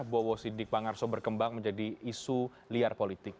bowo sidik bangarso berkembang menjadi isu liar politik